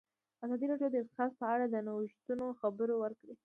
ازادي راډیو د اقتصاد په اړه د نوښتونو خبر ورکړی.